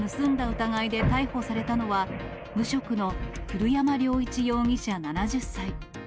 疑いで逮捕されたのは、無職の古山陵一容疑者７０歳。